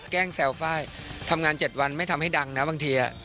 แกล้งแซวไฟล์ทำงาน๗วันไม่ทำให้ดังนะบางที